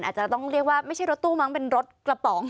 อาจจะต้องเรียกว่าไม่ใช่รถตู้มั้งเป็นรถกระป๋อง